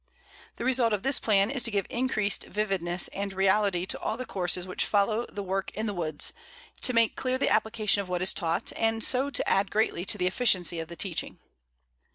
The result of this plan is to give increased vividness and reality to all the courses which follow the work in the woods, to make clear the application of what is taught, and so to add greatly to the efficiency of the teaching.